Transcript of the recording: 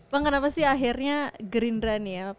bang kenapa sih akhirnya green run